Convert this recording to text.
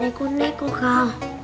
aku ingin menikah kal